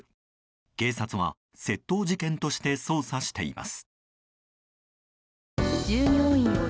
警察は窃盗事件として捜査しています。